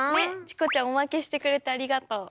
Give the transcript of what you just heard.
チコちゃんオマケしてくれてありがとう。